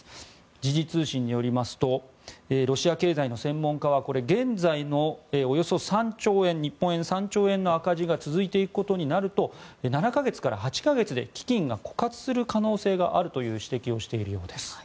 時事通信によりますとロシア経済の専門家はこれ、現在の日本円でおよそ３兆円の赤字が続いていくことになると７か月から８か月で基金が枯渇する可能性があるという指摘をしているようです。